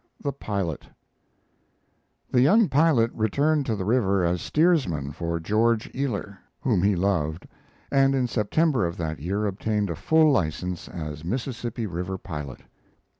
THE PILOT The young pilot returned to the river as steersman for George Ealer, whom he loved, and in September of that year obtained a full license as Mississippi River pilot.